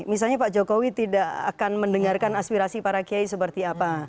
misalnya pak jokowi tidak akan mendengarkan aspirasi para kiai seperti apa